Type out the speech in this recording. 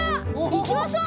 いきましょう！